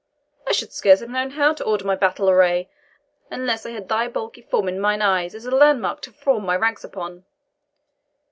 I should scarce have known how to order my battle array, unless I had thy bulky form in mine eye as a landmark to form my ranks upon.